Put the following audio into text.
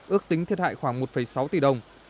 ước tính thiệt hại khoảng một sáu tỷ đồng